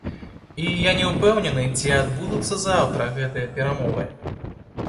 І я не ўпэўнены, ці адбудуцца заўтра гэтыя перамовы.